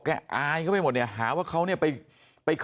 แกอายก็ไปหมดเนี่ยหาว่ามันเขาเนี่ยได้ไปกิน